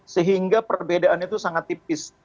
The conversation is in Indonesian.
sehingga perbedaan itu sangat tipis